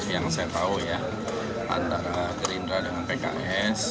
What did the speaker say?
yang saya tahu ya antara gerindra dengan pks